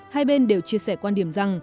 hai bên đều chia sẻ quan điểm rằng